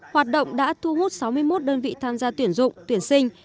hoạt động đã thu hút sáu mươi một đơn vị tham gia tuyển dụng tuyển sinh